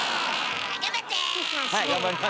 頑張って。